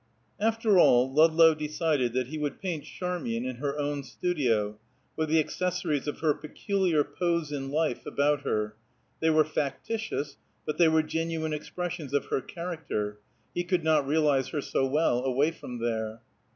After all, Ludlow decided that he would paint Charmian in her own studio, with the accessories of her peculiar pose in life about her; they were factitious, but they were genuine expressions of her character; he could not realize her so well away from there.